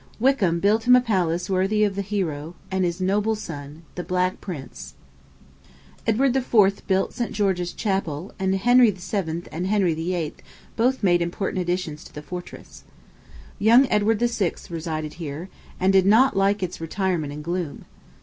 Wykeham built him a palace worthy of the hero and his noble son, the Black Prince. Edward IV. built St. George's Chapel, and Henry VII. and Henry VIII. both made important additions to the fortress. Young Edward VI. resided here, and did not like its retirement and gloom.